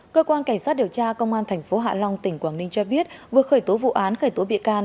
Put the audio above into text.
cơ quan cảnh sát điều tra công an tp hạ long tỉnh quảng ninh cho biết vừa khởi tố vụ án khởi tố bị can